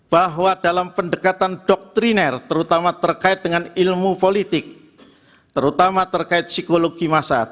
bahwa dalam pendekatan doktriner terutama terkait dengan ilmu politik terutama terkait psikologi masyarakat